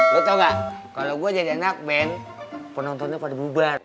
lo tau gak kalau gue jadi anak ben penonton nya pada bubar